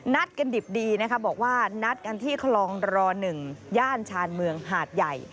นัดกันดิบดีนะคะบอกว่านัดกันที่คลองรอ๑ย่านชานเมืองหาดใหญ่